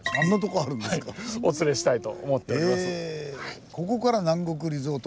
はいお連れしたいと思っております。